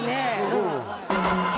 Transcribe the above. うん